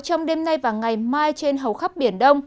trong đêm nay và ngày mai trên hầu khắp biển đông